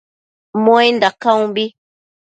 Muainda caumbi